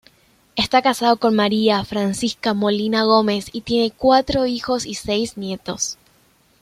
Está casado con María Francisca Molina Gómez y tiene cuatro hijos y seis nietos.